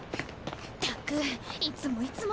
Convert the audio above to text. ったくいつもいつも。